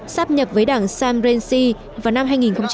sáp nhập với đảng sam rensi vào năm hai nghìn một mươi hai